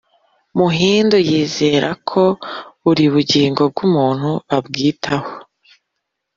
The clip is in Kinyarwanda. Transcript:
umuhindu yizera ko buri bugingo bw’umuntu ba bwitaho